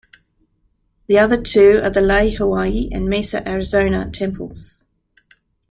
The other two are the Laie Hawaii and Mesa Arizona temples.